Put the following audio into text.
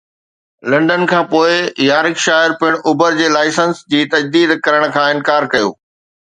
London کان پوء، Yorkshire پڻ Uber جي لائسنس جي تجديد ڪرڻ کان انڪار ڪيو